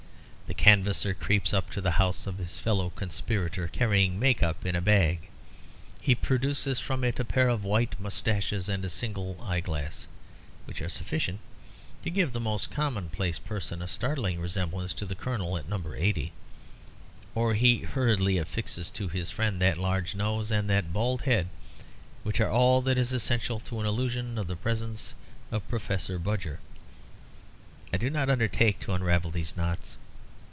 The canvasser creeps to the house of his fellow conspirator carrying a make up in a bag. He produces from it a pair of white moustaches and a single eyeglass, which are sufficient to give the most common place person a startling resemblance to the Colonel at No. 80. Or he hurriedly affixes to his friend that large nose and that bald head which are all that is essential to an illusion of the presence of Professor Budger. I do not undertake to unravel these knots.